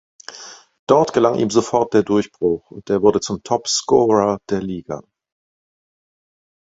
Dort gelang ihm sofort der Durchbruch, und er wurde zum Topscorer der Liga.